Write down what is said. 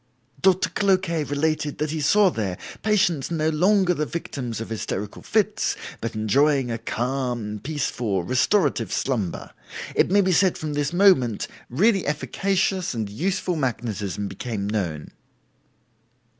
"Doctor Cloquet related that he saw there, patients no longer the victims of hysterical fits, but enjoying a calm, peaceful, restorative slumber. It may be said that from this moment really efficacious and useful magnetism became known."